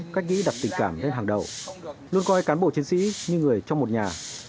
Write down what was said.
cách nghĩ đặt tình cảm lên hàng đầu luôn coi cán bộ chiến sĩ như người trong một nhà